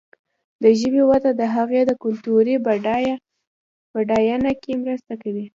د ژبې وده د هغې د کلتوري بډاینه کې مرسته کوي.